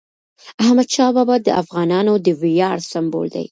احمدشاه بابا د افغانانو د ویاړ سمبول دی.